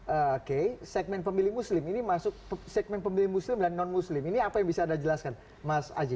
oke segmen pemilih muslim ini masuk segmen pemilih muslim dan non muslim ini apa yang bisa anda jelaskan mas aji